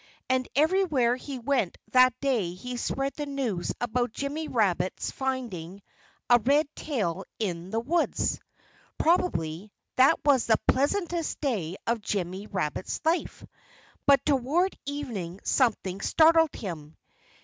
And everywhere he went that day he spread the news about Jimmy Rabbit's finding a red tail in the woods. Probably that was the pleasantest day of Jimmy Rabbit's life. But toward evening something startled him.